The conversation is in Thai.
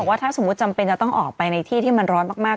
ว่าถ้าสมมุติจำเป็นจะต้องออกไปในที่ที่มันร้อนมาก